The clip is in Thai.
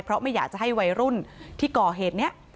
เพราะไม่อยากจะให้วัยรุ่นที่ก่อเหตุนี้